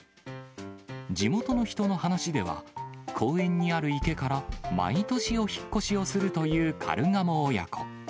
地元の人の話では、公園にある池から、毎年お引っ越しをするというカルガモ親子。